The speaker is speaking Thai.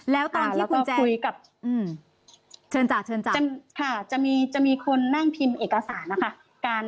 แล้วตอนที่คุณแจนเชิญจักค่ะจะมีคนนั่งพิมพ์เอกสารนะคะ